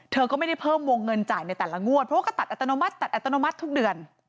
เธอก็ไม่ได้เพิ่มวงเงินจ่ายในแต่ละงวดเพราะว่าก็ตัดอัตโนมัติตัดอัตโนมัติทุกเดือน